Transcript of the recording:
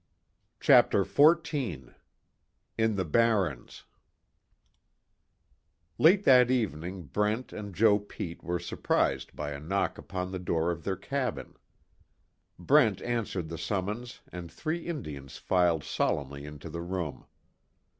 CHAPTER XIV IN THE BARRENS Late that evening Brent and Joe Pete were surprised by a knock upon the door of their cabin. Brent answered the summons and three Indians filed solemnly into the room.